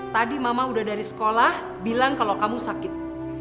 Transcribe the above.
tadi mama udah dari sekolah bilang kalau kamu sakit